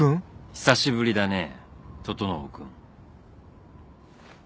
久しぶりだね整君。